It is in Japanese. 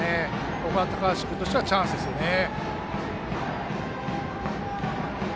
ここは高橋君としてはチャンスですね。